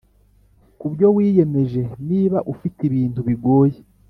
Ku byo wiyemeje niba ufite ibintu bigoye